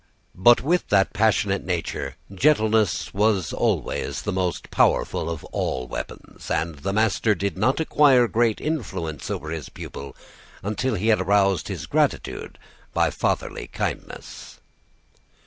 But with that passionate nature, gentleness was always the most powerful of all weapons, and the master did not acquire great influence over his pupil until he had aroused his gratitude by fatherly kindness.